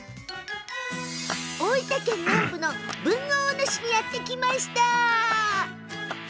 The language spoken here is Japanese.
大分県南部の豊後大野市にやって来ました！